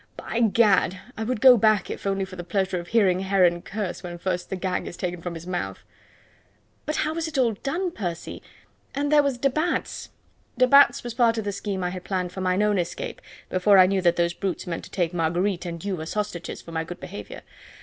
By Gad! I would go back if only for the pleasure of hearing Heron curse when first the gag is taken from his mouth." "But how was it all done, Percy? And there was de Batz " "De Batz was part of the scheme I had planned for mine own escape before I knew that those brutes meant to take Marguerite and you as hostages for my good behaviour.